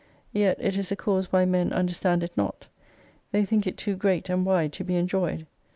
Yet it is the cause why men understand it not. They think it too great and wide to be enjoyed.